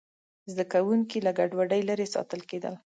زده کوونکي له ګډوډۍ لرې ساتل کېدل.